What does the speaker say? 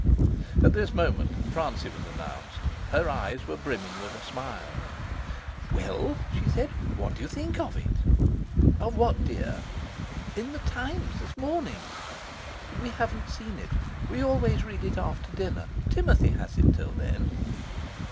At this moment Francie was announced. Her eyes were brimming with a smile. "Well," she said, "what do you think of it?" "Of what, dear?" "In The Times this morning." "We haven't seen it, we always read it after dinner; Timothy has it till then."